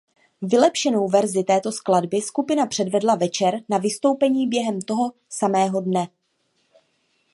Vylepšenou verzi této skladby skupina předvedla večer na vystoupení během toho samého dne.